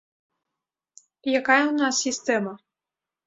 Якая ў нас сістэма?